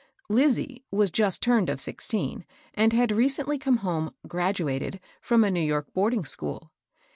" Lizie " was just turned of sixteen, and had recently come home " graduated" from a New York boarding school.